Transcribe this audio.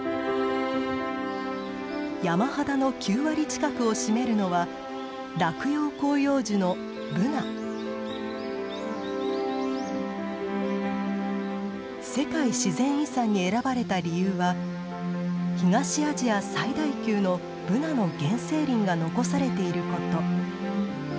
山肌の９割近くを占めるのは落葉広葉樹の世界自然遺産に選ばれた理由は東アジア最大級のブナの原生林が残されていること。